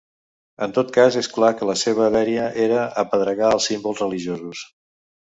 En tot cas, és clar que la seva dèria era apedregar els símbols religiosos.